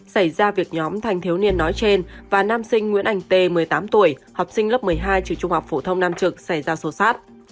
xảy ra việc nhóm thanh thiếu niên nói trên và nam sinh nguyễn anh t một mươi tám tuổi học sinh lớp một mươi hai trường trung học phổ thông nam trực xảy ra sổ sát